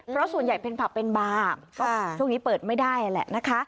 เพราะส่วนใหญ่เป็นผับเป็นบาร์ก็ช่วงนี้เปิดไม่ได้แหละนะคะ